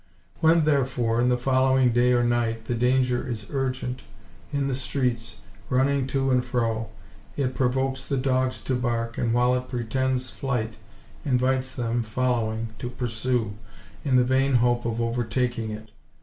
When, therefore, in the following day or night the danger is urgent, in the streets, running to and fro, it provokes the dogs to bark, and, while it pretends flight invites them, following, to pursue, in the vain hope of overtaking it.